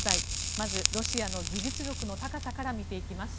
まず、ロシアの技術力の高さから見ていきます。